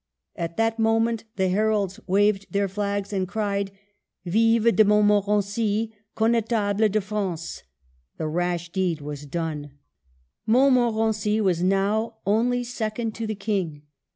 At that moment the heralds waved their flags and cried, " Vive de Montmorency, Connetable de France !" The rash deed was done. Montmorency was now only second to the King.